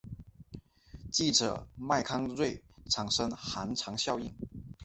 记者麦康瑞产生寒蝉效应。